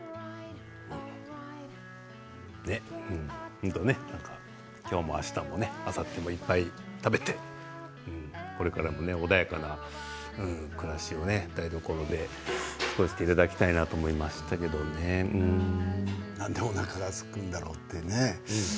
本当ね、なんか、今日もあしたもあさってもいっぱい食べてこれからも穏やかな暮らしをね台所で過ごしていただきたいなとなんでおなかがすくんだろうってね。